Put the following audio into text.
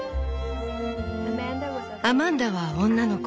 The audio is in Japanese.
「アマンダは女の子。